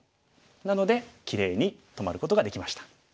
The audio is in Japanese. なのできれいに止まることができました。